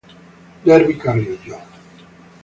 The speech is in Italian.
Derby Carrillo